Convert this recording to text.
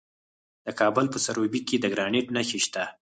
د کابل په سروبي کې د ګرانیټ نښې شته.